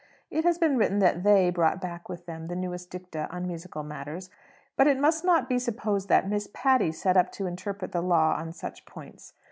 It has been written that "they" brought back with them the newest dicta on musical matters; but it must not be supposed that Miss Patty set up to interpret the law on such points.